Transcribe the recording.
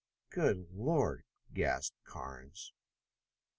"Good Lord!" gasped Carnes.